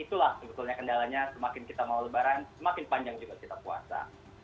itulah sebetulnya kendalanya semakin kita mau lebaran semakin panjang juga kita puasa